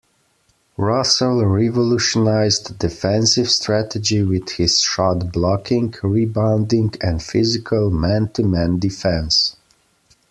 Russell revolutionized defensive strategy with his shot-blocking, rebounding and physical man-to-man defense.